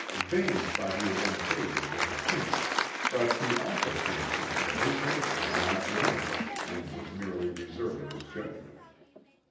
Vane thought he had been favoured with a hint, but he also fancied that his host was not inimical and was merely reserving his judgment.